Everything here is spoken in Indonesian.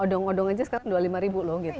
odong odong aja sekarang dua puluh lima ribu loh gitu